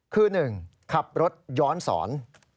คือ๑ขับรถย้อนสอน